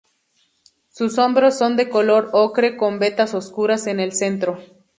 Sus hombros son de color ocre con vetas oscuras en el centro.